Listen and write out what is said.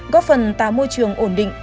góp phần tạo môi trường ổn định